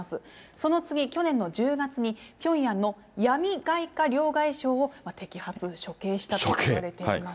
その次、去年の１０月に、ピョンヤンの闇外貨両替商を摘発・処刑したといわれています。